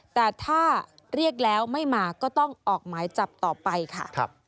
แต่ถ้าเรียกแล้วไม่มาก็ต้องออกหมายจับต่อไปค่ะ